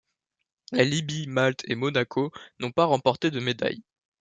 La Libye, Malte et Monaco n'ont pas remporté de médailles.